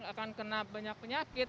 akan kena banyak penyakit